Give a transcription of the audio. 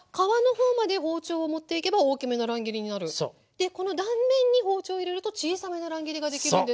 でこの断面に包丁を入れると小さめの乱切りができるんですか。